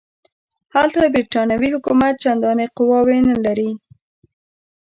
هلته برټانوي حکومت چنداني قواوې نه لري.